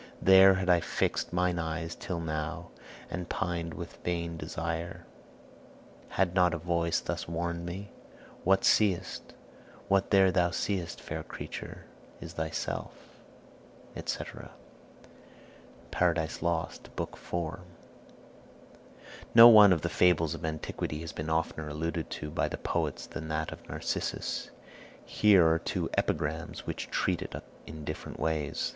There had I fixed Mine eyes till now, and pined wi vain desire, Had not a voice thus warned me: 'What thou seest, What there thou seest, fair creature, is thyself;'" etc. Paradise Lost, Book IV. No one of the fables of antiquity has been oftener alluded to by the poets than that of Narcissus. Here are two epigrams which treat it in different ways.